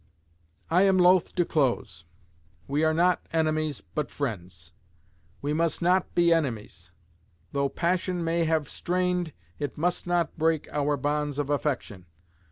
I am loth to close. We are not enemies, but friends. We must not be enemies. Though passion may have strained, it must not break, our bonds of affection.